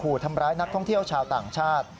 ทำร้ายนักท่องเที่ยวชาวต่างชาติ